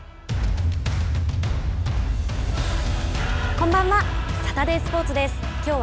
こんばんは。